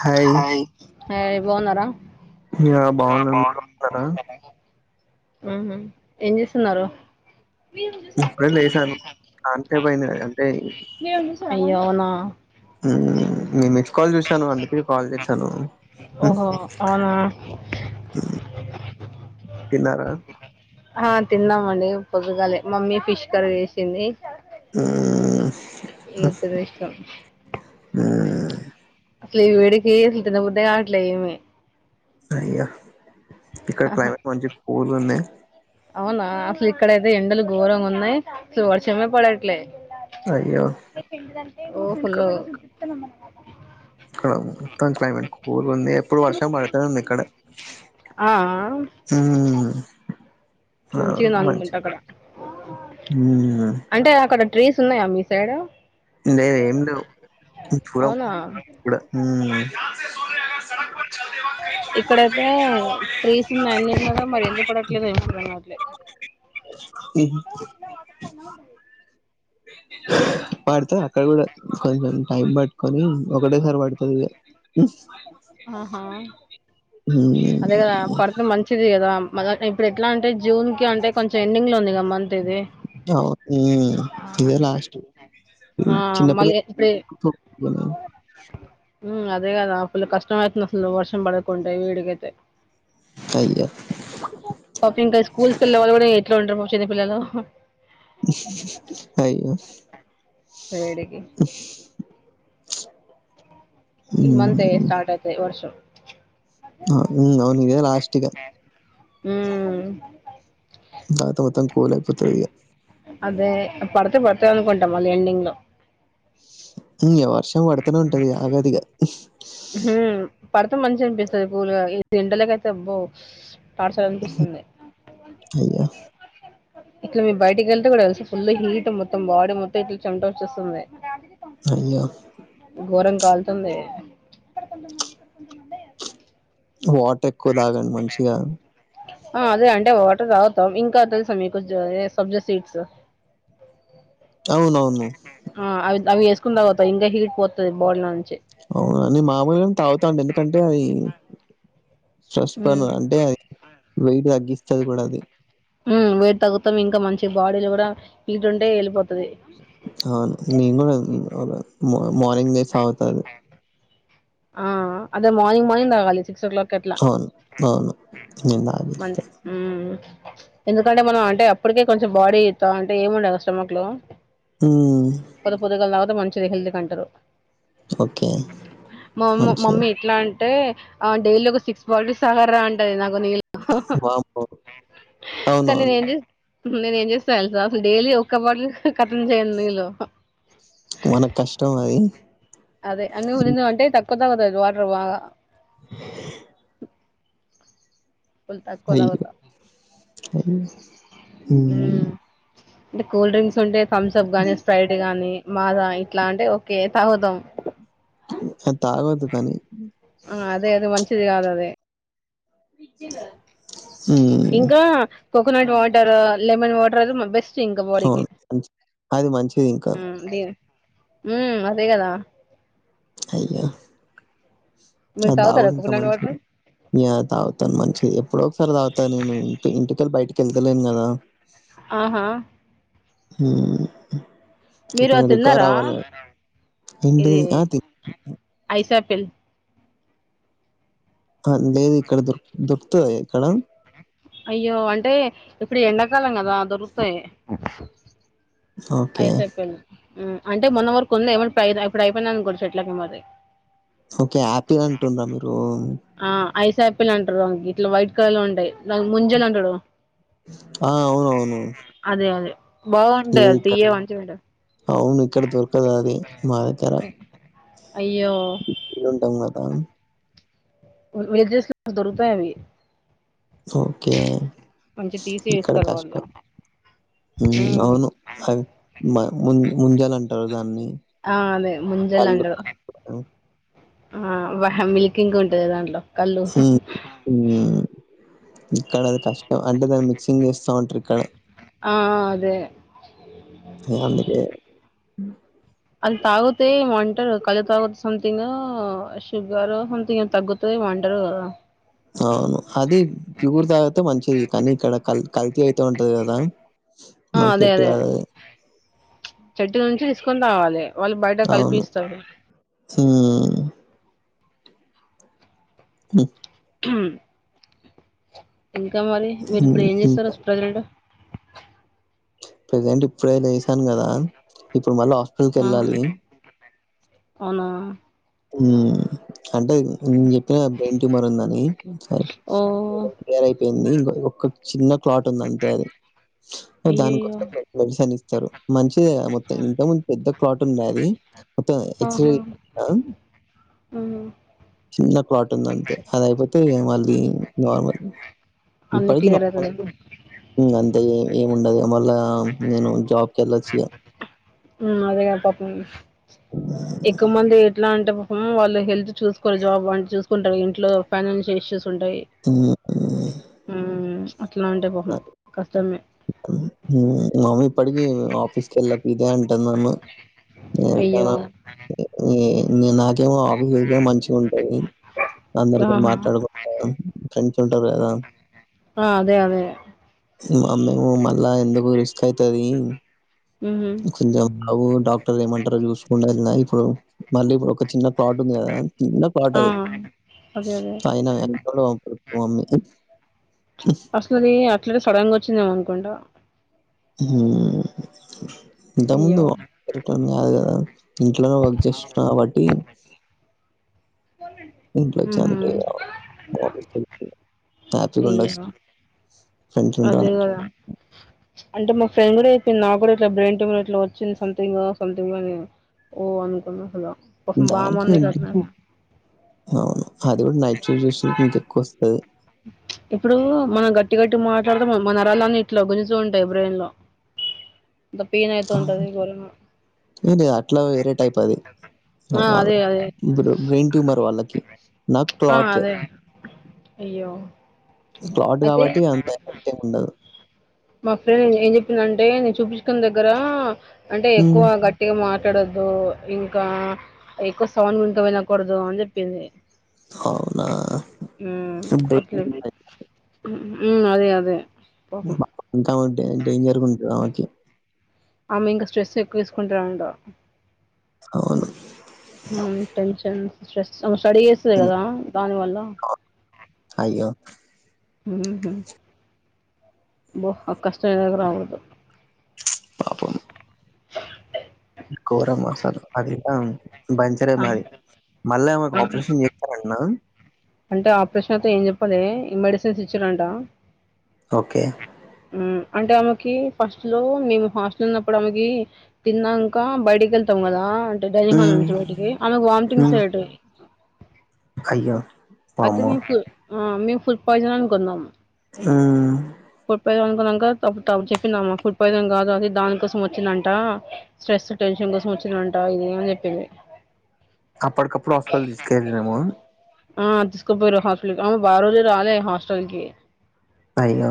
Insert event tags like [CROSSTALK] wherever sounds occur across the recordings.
Hi ఏయీ బాగున్నారా ఏయా బాగున్నాం మీరు వత్తరా ఆ ఏం చేస్తున్నారు మీరు మీ ఇప్పుడే లేసాను అంటే పైన చాలాసేపు అంటే అయిది అయ్యయ్యో నేను మిక్స్ కాల్ చేసాను అందుకే కల్ చేసాను ఓహో అవునా తిన్నారా ఆ తిన్నామండి పొదుగాలే మమ్మీ ఫిష్ కర్రీ చేసింది ఆ ఎంతో ఇష్టం మ్మ్ అసలు ఈ వేడకి అసలు తినబుద్ధికాట్లే ఏమి అయ్యా ఇక్కడ క్లైమేట్ మంచి కూల్ ఉన్నాయి అవునా అసలు ఇక్కడయితే ఎండలు ఘోరంగా ఉన్నాయి అసలు వర్షం పడట్లే అయ్యో ఓ పులుగా ఇక్కడ మొత్తం క్లైమేట్ కూల్గుంది ఎప్పుడు వర్షం పదూతనే ఉంది ఇక్కడ ఆ హుమ్ ఆ మంచిగుంది మంచి అనుకుంటా అక్కడ కొని ట్రీస్ ఉన్నాయా మీ సైడ్ లేేదేమ్లేవు ముగ్గురం అవునా ఇప్పుడు మ్ [UNINTELLIGIBLE] ఇక్కడైతే ట్రీసున్నాయి అన్నిట్లోనూ మరి ఎందుకు పడట్లేదో ఏమో అర్థం కావట్లే మ్ హు వాడత అక్కడ కూడా కొంచెం టైం పట్కొని ఒకటేసారి పడుతదిగ ఆహా హ్మ్ అదే కదా పడితే మంచిది. రామ్ మళ్ళా ఇప్పుడు ఎట్లా అంటే జూన్కి అంటే కొంచెం ఎండింగ్ లో ఉంది కద మంతిది. అవును. ఇదే లాస్ట్ ఆ మళ్ళీ ఇప్పుడే చిన్నపిల్లలు గదా మ్ అదే కదా ఫుల్లు కష్టమయితుందసలు వర్షం పడకుంటే వీడికైతే అయ్యో పాపం ఇంకా స్కూల్స్ కెళ్ళే వాళ్ళు కూడా ఎట్లుంటరు పాపం చిన్న పిల్లలు అయ్యో వేడికి ఈ హ్మ్ మంతే స్టార్ట్ అయితయ్ వర్షం. ఆ ఇగ అవునింగ ఇదే లాస్ట్ ఇగ ఉమ్ దాత మొత్తం కూలయిపోతదిగ అదే పడితే పడితయానుకుంటా మళ్ళీ ఎండింగ్ లో ఇంగ వర్షం పడతనే ఉంటదిగ ఆగదిగ హ్మ్ పడితే మంచిగనిపిస్తది కూలుగా ఎండలకైతే అబ్బో టార్చరనిపిస్తుంది. అయ్యో ఇట్లా మేం బయటకెళ్తే కూడా తెలుసా ఫుల్ హీట్ మొత్తం బాడీ మొత్తం ఇట్ల చెమటోచ్చేస్తుంది. అయ్యో కాల్తుంది. వాటరెక్కువ తాగండి మంచిగా ఆ అదే అంటే వాటర్ తాగుతాం. ఇంకా తెలుసా మీకు జ ఏ సబ్జా సీడ్స్ అవునవును ఆ అవి అవి వేసుకుని తాగుతా ఇంకా హీట్ పోతది బాడి లో నుంచి అవున నేన్ మామూలుగానే తాగుతాండి ఎందుకంటే అవి స్ట్రీస్ ఉమ్ పైన అంటే అది వెయిట్ తగ్గిస్తది కూడ అది మ్మ్ వెయిట్ తగ్గుతాం ఇంకా మంచిగ బాడీలో కూడా హీటుంటే వెళ్ళిపోతది. అవును నేను గూడ మ మార్నింగ్ లేసి తాగుత అది. ఆ అదే మార్నింగ్ మార్నింగ్ తాగాలి. సిక్స్ ఓ క్లాక్ అట్లా అవును. అవును. నేను మన్ తాగేస్తా. మ్మ్. ఎందుకంటే మనం అంటే అప్పటికే కొంచెం బాడీతో అంటే ఏముండదు స్టమక్ లో హ్మ్. పొద్దు పొద్దుగాల తాగితే మంచిది హెల్త్ కంటరు. ఓకే. మమ్మ్ మంచిగా మమ్మీ ఇట్లాన్ ంటే డైలీ ఒక సిక్స్ బాల్టీస్ తాగారా అంటాది నాకు ని హాహా వామ్మో! కానీ అవునవును. నేను చూస్ నేనేం చేస్తా తెలుసా అసలు డైలీ ఒక్క బాటిల్ కథం చేయను నీళ్ళు. మనకు కష్టం అది. అదే అన్నం తిన్నామంటే తక్కువ తాగుతాది వాటర్ బాగా కొన్ని తక్కువ తాగుత మ్మ్. అంటే కూల్ డ్రింక్స్ ఉంటే తమ్సప్ గానీ స్ప్రైట్ గానీ మాజ ఇట్లాంటివి ఓకే తాగుతాం. అది తాగొద్దు కానీ ఆ అదే అదే మంచిది కాదదే. విజ్జిల్ల్ ఇంకా కోకోనట్ వాటర్ లెమన్ వాటరయితే బెస్ స్ట్ ఇంక బాడికి అవును. మంచి అది మంచిది ఇంకా. ఉమ్ దిన్ మ్మ్ అదే కదా అయ్యో మీరు అది తాగు తాగుతారా ఇంకా కోకోనట్ మంచిది వాటర్ న్యా తాగుతాను మంచిది ఎప్పుడో ఒకసారి తాగుతాను నేను ఇ ఇంటికెళ్ళి బయటికి వెళ్తలేను కదా ఆహా ఊఉ ఇంక మీరు రికవర్ తిన్నారా అవ్వాలే ఇది ఎంటిది ఆ ది ఐస్ ఆపిల్ అ లేదు ఇక్కడ దొరు దొరుకుతథ ఇక్కడ అయ్యో అంటే ఇప్పుడు ఎండాకాలం కదా దొరుకుతాయి ఓకే. ఐస్ ఆపిల్ ఉ అంటే మొన్న వరకు ఉంది ఏమ ఇప్పుడు అయిపోయినాని కూడా చెట్ల కు మరి ఓకే ఆపిల్ అంటుండ్రా మీరు ఆ ఐస్ ఆపిల్ అంటారుం ఇట్లా వైట్ కలర్ లో ఉంటాయి దన్ ముంజలు అంటాడు ఆ అవును అవును బాగుంట దియ్యే మంచి మిట్టన్ అవును ఇక్కడ దొరకదు అది మా దగ్గర అయ్యో సిటీలో ఉంటాం కదా ఆ వేజెస్ దొరుకుతావ్ అవి ఓకే మంచి తీసి ఇక్కడ ఇస్తారు కష్ట వాళ్ళు ఊ ఉమ్ అవును హ మ ము ముంజాలు అంటారు దాన్ని ఆ మేం ముంజలు పళ్ళు అంటాం ఆ వాహ మిల్కింగ్ ఉంటంది దాంట్లో కళ్ళు ఉప్పు ఇక్కడ అది కష్టం అంటే మేం దాన్ని మిక్సింగ్ చేస్తా ఉంటారు ఇక్కడ ఆ అదే ఉ అది తాగుతే ఏమోంటారు కళ్ళు తాగుత సథింగ్ గో శుగర్ సంథింగ్ ఏం తగ్గుతా ఏమో వంటరూ కదా అవును అది ప్యూర్ తాగితే మంచిది కానీ ఇక్కడ కల్ కల్తీ అయిత ఉంటది కదా ఆ మనకి అదే ఎట్టు అదే కాదది. చెట్టు నుంచి తీసుకుొని రావాలి వాళ్ళు బయట కల్పిస్తాడు ఊ హుమ్ ఊ ఇంకా మరి మీరు ఇప్పుడు ఏం హ్మ్. చేస్తారు ప్రజెంట్ ప్రజెంట్ ఇప్పుడే లేసాను కదా ఇప్పుడు మళ్ళీ హాస్పిటల్ కి వెళ్ళాలి అవున ఉ అంటే నేను చెప్పా కదా బ్రెయిన్ ట్యూమర్ ఉందని సరే ఓ క్లియర్ అయిపోయింది ఇంక ఒక చిన్న క్లాట్ ఉంది అంతే అది అయ్యయ్యో దానికోసం మెడిసన్ ఇస్తారు మంచి మొత్తం ఇంత ముందు పెద్ద క్లాట్ ఉండే అది మొత్తం హెచ్ వైట్ అంట ఉ చిన్న క్లాట్ ఉంది అంతే అది అయిపోతే మళ్ళీ నార్మల్ అన్ని ఇప్పటికి క్లియర్ నార్మల్ అవుతది ఇంగ అంతేయే ఏంముడాదు మళ్ళ నేను జాబ్కి వెళ్లొచ్చుగా ఉ అదే అప్పటినుంచి ఎక్కువ మంది ఎట్లా అంటే ఏమో వాళ్ళు హెల్త్ చూసుకోరు జాబ్ అంటి చూసుకుంటారు ఇంట్లో ఫైనాన్షియల్ ఇష్యూస్ తుంటాయి హుమ్ అదే ఉ మా మమ్మీ ఇప్పటికీ ఆఫీసు కు వెళ్లకుంటే ఇదే అంటాది నన్ను నేను అయ్యో వెళ్తాను ఏంది నాకి కేమో ఆఫీస్ దగ్గర మంచి ఉంటది అందరితో ఆహా మాట్లాడుకుంటా ఫ్రెండ్స్ ఉంటారు కదా ఆ అదే అదే అసలు అందరము మళ్ళా ఎందుకు రిస్క్ అయితాది మ్మ్ ఒకసారి జాబ్ ఆవు డాక్టర్ ఏమంటారో చూసుకుండా వెళ్ళిన ఇప్పుడు మళ్ళీ ఇప్పుడు ఒక చిన్న పాటుంది కదా చిన్న ఆ పాటది అదే అదే సయినా ఎ మమ్మ [UNINTELLIGIBLE] ఫస్ట్ లోనే అట్లా సడన్ గా వచ్చిందేమనుకుంటా ఊ అయ్యో ఇంతకుముందు రిటర్న్ కాదుకదా ఊ వర్క్ చేస్తు కాబట్టి [UNINTELLIGIBLE] ఇంట్లో మ్మ్ చనిపోయారు ఆపీసు కెల్తే హ్యాప్తున్డోచు అయ్యో [UNINTELLIGIBLE] అదే కదా అంటే మా ఫ్రెండ్ కూడా చెప్పింది. నాకు కూడా ఇట్లా బ్రెయిన్ ట్యూమర్ ఇట్లా వచ్చింది సంథింగో సంథింగో అని ఓ అనుకున్న అసలు పాపం బాగా మందికి దానికేంటి అట్లా అవును అది కూడా నైట్ షిఫ్ట్ చేసేవాళ్లకు ఇంక ఎక్కువ వస్తాది. ఇప్పుడు మనం గట్టి గట్టి మాట్లాడుతాంటే మన నరాాలన్ని ఇట్ల గుంజుతూ ఉంటాయి బ్రెయిన్ లో యి తోంటదిరోనా [UNINTELLIGIBLE] ఏది అట్లా వేరే టైప్ అది. ఆ అదే అదే బ్రెయిన్ ట్యూమర్ వాళ్ళకి నాట్ ఆ క్లాట్ అదే అయ్యో క్లాట్ అయితే కాబట్టి అంత ఎఫెక్ట్ ఏం ఉండదు. మా ఫ్రెండ్ ఏం చెప్పిందింటే, నేను చూపించుకున్న దగ్గర అంటే ఎక్కువ హ్మ్, గట్టిగా మార్ ఎక్కువ మాట్లాడవద్దు ఇంకా ఎక్కువ సౌండ్ వినకూడదు అని చెప్పింది. అవునా ఊ బ్రెయిన్ అట్లా గే ట్యూమర్ మ్ అదే అదే అవును అంటే డేంజర్ గా ఉంటాది ఆమెకి. ఆమ్మె ఇంకా స్ట్రెస్ ఎక్కువ తీసుకుంటాంది. అవును మ్, టెన్షన్ స్ట్రెస్ స్ స్టడీ చేస్తాది కదా దాని వల్ల అయ్యో మ్ హు అబ్బో ఆ కష్టాలు ఎవరికిరావొద్దు. పాపం [INAUDIBLE] ఘోరం అసలు అదితాం బంచరే ఆ బాయ్ మళ్ళా ఏమన్నా ఆ ఆపరేషన్ చేస్తారంటనా? అంటే ఆపరేషన్ అయితే ఏం చెప్పలే ఈ మెడిసిన్స్ ఇచ్చిరంట. ఓకే హ్మ్ అంటే ఆమెకి ఫస్ట్ లో మేము హాస్టల్ ఉన్నప్పుడు ఆమెకి తిన్నాక బయటికి వెళ్తాం కదా డైనింగ్ హల్ హ్మ్, నుంచి బయటికి ఆమెకు వాంటింగ్స్ హ్మ్, అయ్యేటివి. అయ్యో అది మీకు ఆ మేము ఫుడ్ పాయిజన్ అనుకున్నాం. మ్ అనుకున్నాక, అప్పుడు చెప్పిందామా ఫుడ్ పాయిజన్ కాదు అది దానికోసం వచ్చిందంట స్ట్రెస్, టెన్షన్ కోసం వచ్చిందంట ఇది అని చెప్పింది. అప్పటికప్పుడు హాస్పిటల్ తీసుకెళ్లాము. ఆ తీసుకుపోయారు హాస్టల్ కి ఆమె ఆరోజే రాలే హాస్టల్ కి. అయ్యో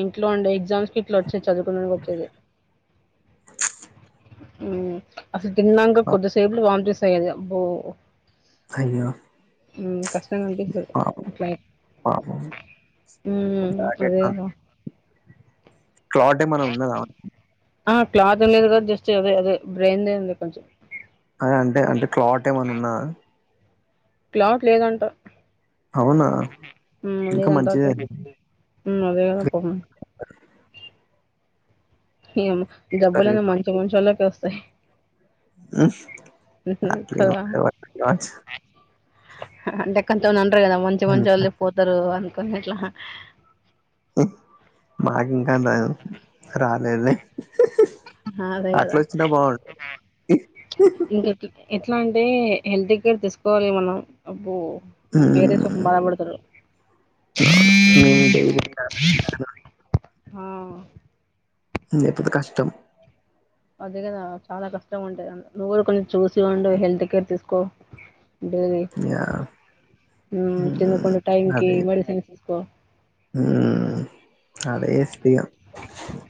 ఇంట్లో ఉండే ఎగ్జామ్స్ కి ఇట్లా వచ్చేది చదువుకోడానికి వచ్చేది. హ్మ్ అసలు తిన్నంగా కొద్ది సేపులో వాంటింగ్స్ అయ్యేవి. అయ్యో మ్ కష్టంగ అనిపిస్తాది పాపం అట్లే పాపం ఉ బ్లాక్ అదేకదా అంటే మనం ఉన్నదా ఆ క్లాత్ ఉండేది కూడా జస్ట్ అదే అదే బ్రెయిన్దే ఉంది కొంచెం ఆ అంటే అంటే క్లాట్ ఏమైన్నా ఉన్నదా క్లాట్ లేదంట అవునా ఆమ్ ఇంకా లేదంట మంచిదే ఉ అదే కదా పాపంము ఏమో జబ్బులన్నీ మంచి మంచోళ్ళకే వస్తయి ఉహు అట్లేం కదా లేదు అంటే కొంతమంది అంటరు కదా మంచి మంచోల్లే పోతరు అనుకోని అట్ల ఉ మాకు ఇంకా డయల్ రాలేదే ఆహా! అదే అట్లా గదా! వచ్చిన బాగుండు ఇంకెట్ ఎట్లా అంటే హెల్త్ కేర్ తీసుకోవాలి మనం అబ్బో పేరెంట్స్ పాపం మ్ బాధపడతారు అవును నేను డైలీ క్యారే తీతున్నాను ఉ లేపోతే కష్టం అదే కదా చాలా కష్టం ఉంటుది నువ్వురు కూడా కొంచెం చూసి ఉండు హెల్త్ కేర్ తీసుకో టేది యా ఉ మ్ తినకుండ టైం కి మెడిసిన్ తీసుకో ఉ అదే చేస్తిగా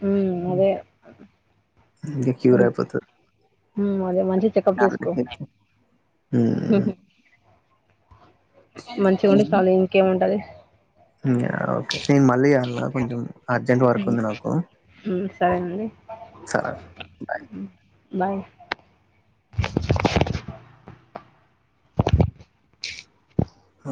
హ్మ్. అదే. ఇంకా క్యూరైపోతావ్ ఉ అదే మంచి చెకప్ చేసుకో మంచిగుంటె చాలు ఇంకేమి ఉంటాది ఇంగ ఓకే సి మళ్ళ లా కొంచం అర్జెంట్ హ్మ్. వర్క్ంది నాకు హ్మ్. సరేనండి. సరే బాయ్ బయ్ ఆ